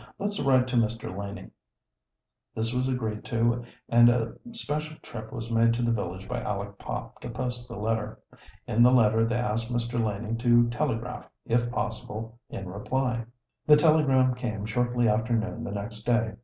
Let's write to Mr. Laning." This was agreed to, and a special trip was made to the village by Aleck Pop to post the letter. In the letter they asked Mr. Laning to telegraph, if possible, in reply. The telegram came shortly after noon the next day.